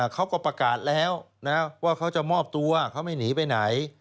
เขาก็ประกาศแล้วว่าเขาจะมอบตัวเขาไม่หนีไปไหน